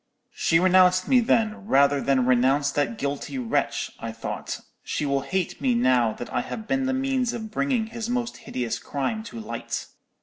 "'She renounced me then, rather than renounce that guilty wretch,' I thought; 'she will hate me now that I have been the means of bringing his most hideous crime to light.'